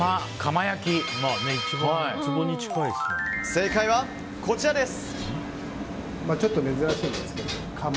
正解は、こちらです。